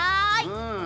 うん。